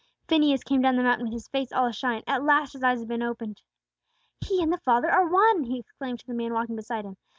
Phineas came down the mountain with his face all ashine; at last his eyes had been opened. "He and the Father are one!" he exclaimed to the man walking beside him.